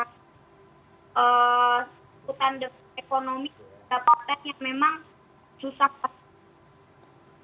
sebutan ekonomi potensi yang memang susah